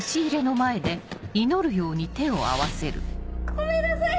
ごめんなさい！